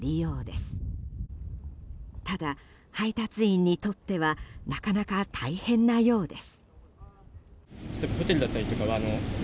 ただ配達員にとってはなかなか大変なようです。